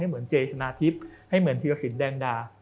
เหมือนเจชนะทิพย์ให้เหมือนธีรสินแดงดา